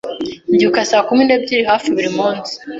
Mbyuka saa kumi n'ebyiri hafi buri munsi.